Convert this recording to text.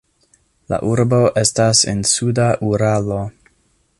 La urbo estas en suda Uralo.